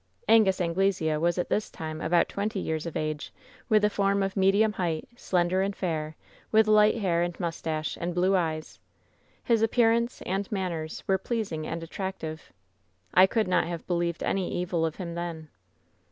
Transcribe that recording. "Angus Anglesea was at this time about twenty years of age ; with a form of medium height, slender and fair, with light hair and mustache, and blue eyes. His ap pearance and manners were pleasing and attractive. "I could not have believed any evil of him then.